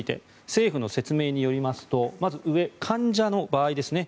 政府の説明によりますとまず上、患者の場合ですね。